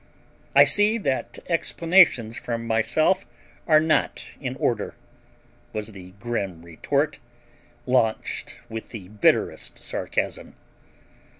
"I see that explanations from myself are not in order," was the grim retort, launched with the bitterest sarcasm.